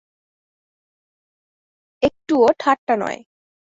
একটুও ঠাট্টা নয়।